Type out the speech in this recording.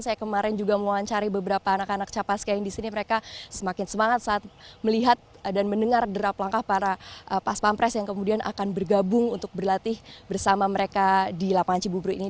saya kemarin juga mewawancari beberapa anak anak capaska yang di sini mereka semakin semangat saat melihat dan mendengar derap langkah para pas pampres yang kemudian akan bergabung untuk berlatih bersama mereka di lapangan cibubur ini